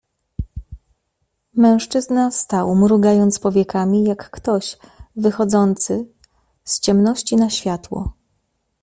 "Mężczyzna stał, mrugając powiekami jak ktoś, wychodzący z ciemności na światło."